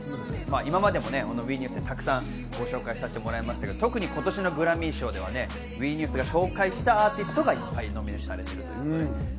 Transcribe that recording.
今までもね、ＷＥニュースでたくさんご紹介させてもらいましたけど、特に今年のグラミー賞ではＷＥニュースが紹介したアーティストがいっぱいノミネートされています。